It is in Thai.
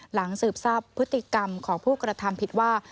หลังสืบทราบพฤติกรรมของผู้กระทำผิดว่า